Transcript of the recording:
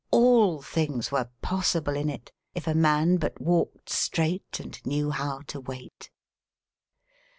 All things were possible in it if a man but walked straight and knew how to wait.